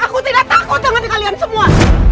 aku tidak takut jangan kalian semua